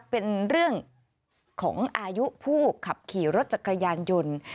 เป็นเรื่องของอายุผู้ขับขี่รถจักรยานยนต์